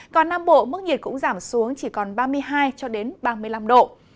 còn nam bộ mức nhiệt cũng giảm xuống chỉ còn ba mươi hai cho đến ba mươi năm độ